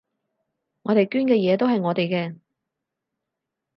我哋捐嘅嘢都係我哋嘅